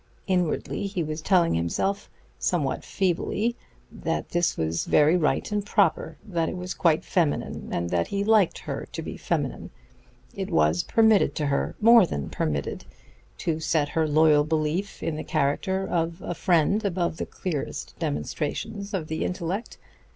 Inwardly he was telling himself, somewhat feebly, that this was very right and proper; that it was quite feminine, and that he liked her to be feminine. It was permitted to her more than permitted to set her loyal belief in the character of a friend above the clearest demonstrations of the intellect.